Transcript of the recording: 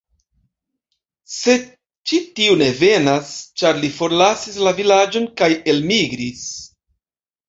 Sed ĉi tiu ne venas, ĉar li forlasis la vilaĝon kaj elmigris.